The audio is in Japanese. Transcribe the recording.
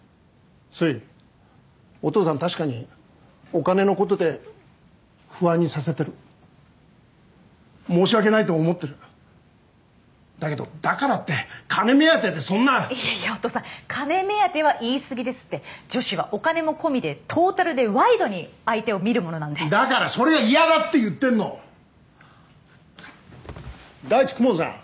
すいお父さん確かにお金のことで不安にさせてる申し訳ないと思ってるだけどだからって金目当てでそんないやいやお父さん金目当ては言いすぎですって女子はお金も込みでトータルでワイドに相手を見るものなんでだからそれが嫌だって言ってんの第一公文さん